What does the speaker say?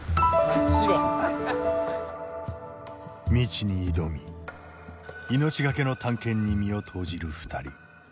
未知に挑み命懸けの探検に身を投じる２人。